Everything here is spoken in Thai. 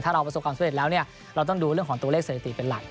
เราประสบความสำเร็จแล้วเนี่ยเราต้องดูเรื่องของตัวเลขสถิติเป็นหลัก